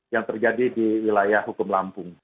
yang terjadi di wilayah hukum lampung